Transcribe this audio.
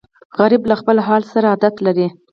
غریب له خپل حال سره عادت لري